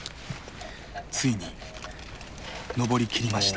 ついに登りきりました。